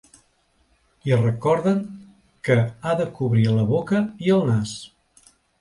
I recorden que ha de cobrir la boca i el nas.